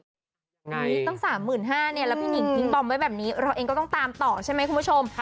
ตั้งสามหมื่นห้าเนี่ยแล้วพี่นิ่งทิ้งปอมไว้แบบนี้เราเองก็ต้องตามต่อใช่ไหมคุณผู้ชม